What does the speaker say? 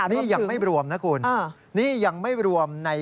นี่ยังไม่รวมนะคุณนี่ยังไม่รวมใน